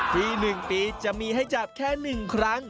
ที่หนึ่งปีจะมีให้จับแค่หนึ่งครั้ง